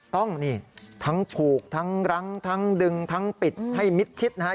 ต้องนี่ทั้งผูกทั้งรั้งทั้งดึงทั้งปิดให้มิดชิดนะฮะ